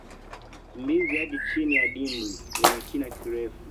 mbizi hadi chini ya dimbwi lenye kina kirefu